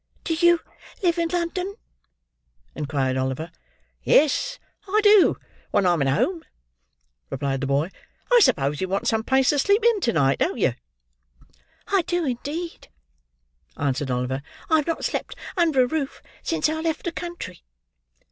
"Do you live in London?" inquired Oliver. "Yes. I do, when I'm at home," replied the boy. "I suppose you want some place to sleep in to night, don't you?" "I do, indeed," answered Oliver. "I have not slept under a roof since I left the country."